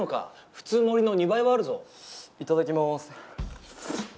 普通盛りの２倍はあるぞいただきまーす